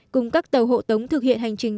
cùng các tàu hộ tống thực hiện hành trình